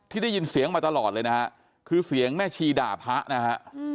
ได้ยินเสียงมาตลอดเลยนะฮะคือเสียงแม่ชีด่าพระนะฮะ